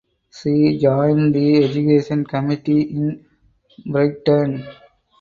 She joined the education committee in Brighton.